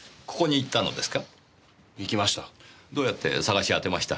行きました。